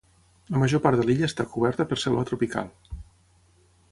La major part de l'illa està coberta per selva tropical.